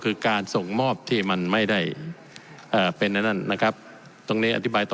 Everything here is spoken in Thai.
คือการส่งมอบที่มันไม่ได้เป็นอันนั้นนะครับตรงนี้อธิบายต่อ